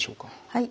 はい。